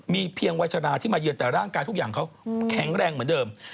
มีเพียงวัยชราที่มาเยือนแต่ร่างกายทุกอย่างเขาแข็งแรงเหมือนเดิม